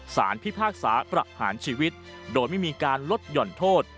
พิพากษาประหารชีวิตโดยไม่มีการลดหย่อนโทษ